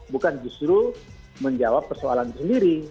bukan justru menjawab persoalan itu sendiri